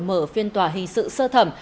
mở phiên tòa hình sự sơ thẩm